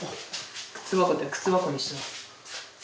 靴箱っていうか靴箱にしてます